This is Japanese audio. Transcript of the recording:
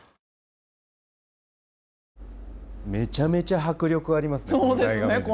めちゃめちゃ迫力ありますね。